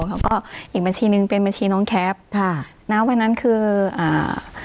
แล้วก็อีกบัญชีหนึ่งเป็นบัญชีน้องแคปค่ะณวันนั้นคืออ่า